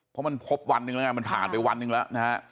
เพราะมันพบวันหนึ่งแล้วไงมันผ่านไปวันหนึ่งแล้วนะฮะ